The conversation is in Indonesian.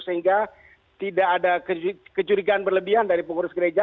sehingga tidak ada kejurigaan berlebihan dari pengurus